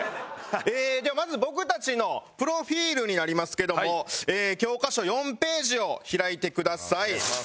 えーではまず僕たちのプロフィールになりますけども教科書４ページを開いてください。